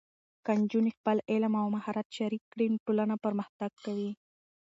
که نجونې خپل علم او مهارت شریک کړي، ټولنه پرمختګ کوي.